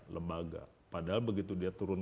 lembaga padahal begitu dia turun